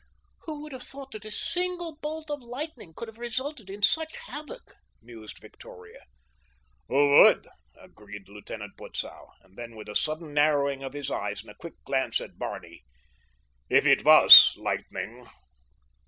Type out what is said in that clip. "Who would have thought that a single bolt of lightning could have resulted in such havoc?" mused Victoria. "Who would?" agreed Lieutenant Butzow, and then, with a sudden narrowing of his eyes and a quick glance at Barney, "if it WAS lightning."